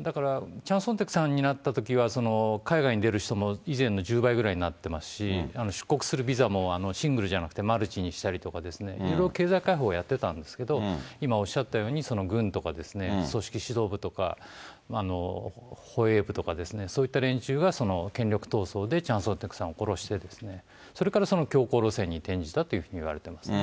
だからチャン・ソンテクさんになったときは、海外に出る人も以前の１０倍ぐらいになってますし、出国するビザもシングルじゃなくてマルチにしたりとかですね、いろいろ経済開放やってたんですけれども、今おっしゃったように、軍とかですね、組織指導部とか、保衛部とか、そういった連中が権力闘争でチャン・ソンテクさんを殺してですね、それからその強硬路線に転じたというふうにいわれていますね。